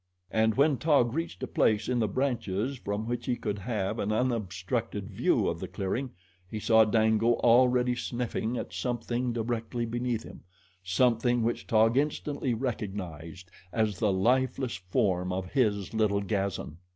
And when Taug reached a place in the branches from which he could have an unobstructed view of the clearing he saw Dango already sniffing at something directly beneath him something which Taug instantly recognized as the lifeless form of his little Gazan.